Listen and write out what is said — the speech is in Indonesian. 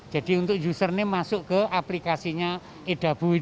jadi untuk username masuk ke aplikasinya edabu ini